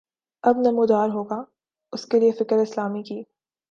اب نمودار ہوگا اس کے لیے فکر اسلامی کی